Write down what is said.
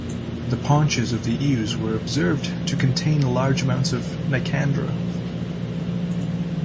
The paunches of the ewes were observed to contain large amounts of "Nicandra".